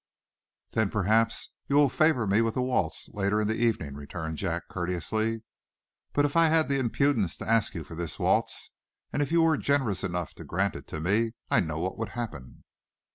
"Then perhaps you will favor me with a waltz, later in the evening," returned Jack, courteously. "But if I had the impudence to ask you for this waltz, and if you were generous enough to grant it to me, I know what would happen."